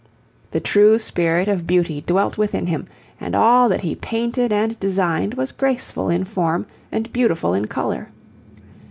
The true spirit of beauty dwelt within him, and all that he painted and designed was graceful in form and beautiful in colour.